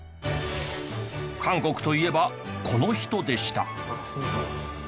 韓国といえばこの人でした。